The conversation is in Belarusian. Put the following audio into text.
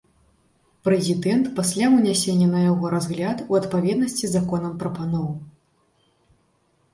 Прэзідэнт пасля ўнясення на яго разгляд у адпаведнасці з законам прапаноў.